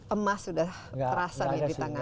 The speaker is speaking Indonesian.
emas udah terasa nih di tangan